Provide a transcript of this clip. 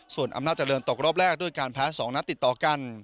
ส่วนอำนาจเจริญตกรอบแรกด้วยการแพ้๒นัดติดต่อกัน